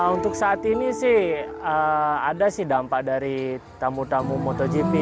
untuk saat ini sih ada sih dampak dari tamu tamu motogp